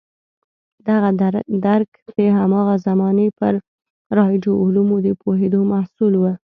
دغه درک د هماغه زمانې پر رایجو علومو د پوهېدو محصول و.